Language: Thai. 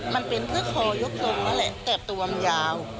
มันเป็นซื้อคอยกลงนั่นแหละแตกตรวมยาว